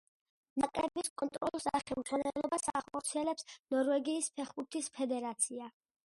ნაკრების კონტროლს და ხელმძღვანელობას ახორციელებს ნორვეგიის ფეხბურთის ფედერაცია.